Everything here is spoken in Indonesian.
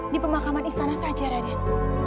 di pemakaman istana saja raden